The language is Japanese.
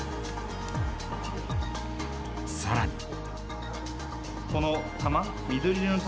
さらに。